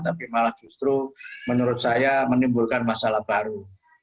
tapi malah justru menurut saya menimbulkan masalah baru